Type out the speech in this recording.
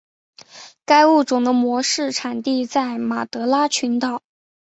该物种的模式产地在马德拉群岛。